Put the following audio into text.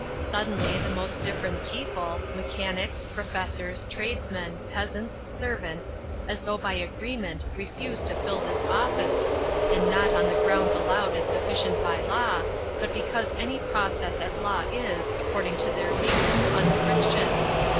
Suddenly the most different people mechanics, professors, tradesmen, peasants, servants, as though by agreement refuse to fill this office, and not on the grounds allowed as sufficient by law, but because any process at law is, according to their views, unchristian.